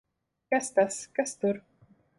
Kas tas! Kas tur!